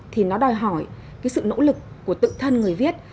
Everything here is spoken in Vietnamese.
thì nó đòi hỏi cái sự nỗ lực của tự thân người viết